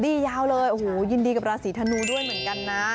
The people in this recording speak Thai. ดียาวเลยยินดีกับราศรีธนูด้วยเหมือนกันนะ